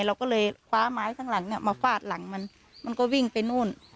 เราก็เลยคว้าไม้ข้างหลังเนี่ยมาฟาดหลังมันมันก็วิ่งไปนู่น